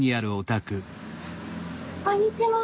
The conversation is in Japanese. こんにちは。